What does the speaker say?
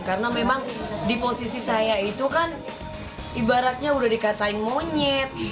karena memang di posisi saya itu kan ibaratnya sudah dikatakan monyet